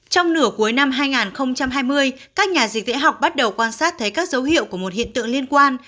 trong nửa cuối năm hai nghìn hai mươi các nhà dịch tễ học bắt đầu quan sát thấy các dấu hiệu của một hiện tượng liên quan